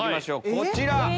こちら！